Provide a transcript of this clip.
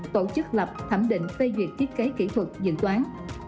tổ chức lập thẩm định phê duyệt thiết kế kỹ thuật dự toán